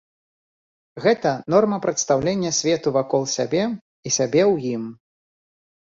Гэта норма прадстаўлення свету вакол сябе і сябе ў ім.